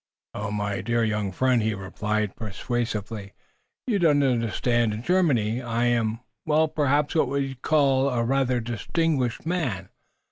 "Oh, my dear young friend," he replied, persuasively, "you don't understand. In Germany I am well, perhaps what you would call a rather distinguished man.